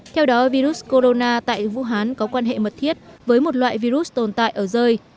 theo đó virus corona tại vũ hán có quan hệ mật thiết với một loại virus tồn tại ở rơi